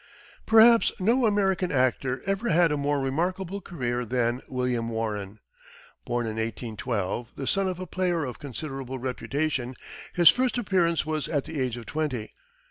Perhaps no American actor ever had a more remarkable career than William Warren. Born in 1812, the son of a player of considerable reputation, his first appearance was at the age of twenty.